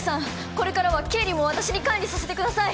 これからは経理も私に管理させてください！